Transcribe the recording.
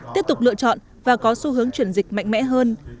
tiếp tục lựa chọn và có xu hướng chuyển dịch mạnh mẽ hơn